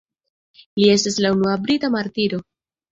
Li estas la unua brita martiro.